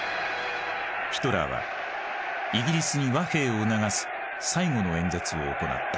ヒトラーはイギリスに和平を促す最後の演説を行った。